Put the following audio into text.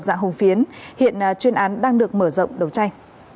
dạng hùng phiến hiện chuyên án đang được mở rộng đầu trai